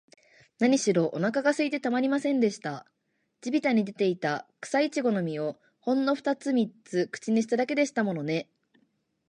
なにしろ、おなかがすいてたまりませんでした。地びたに出ていた、くさいちごの実を、ほんのふたつ三つ口にしただけでしたものね。